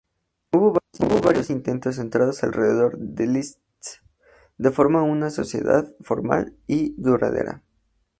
Hubo varios intentos, centrados alrededor de Liszt, de formar una sociedad formal y duradera.